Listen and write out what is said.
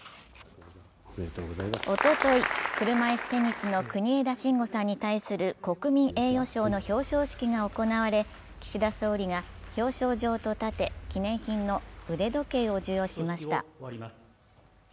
おととい、車いすテニスの国枝慎吾さんに対する国民栄誉賞の表彰式が行われ、岸田総理が表彰状と盾、記念品の腕時計を授与しました。